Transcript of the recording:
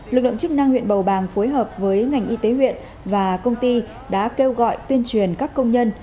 lực lượng chức năng huyện bầu bàng phối hợp với ngành y tế huyện và công ty đã kêu gọi tuyên truyền các công nhân